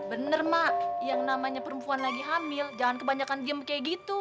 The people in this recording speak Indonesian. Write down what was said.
bener mak yang namanya perempuan lagi hamil jangan kebanyakan game kayak gitu